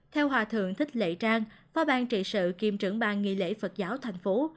theo hòa thượng thích lệ trang phó bang trị sự kiêm trưởng ban nghi lễ phật giáo thành phố